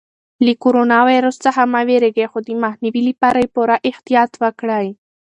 له کرونا ویروس څخه مه وېرېږئ خو د مخنیوي لپاره یې پوره احتیاط وکړئ.